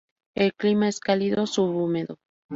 El clima es cálido subhúmedo.